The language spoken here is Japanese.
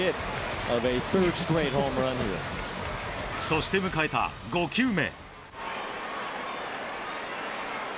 そして迎えた５球目。